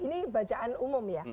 ini bacaan umum ya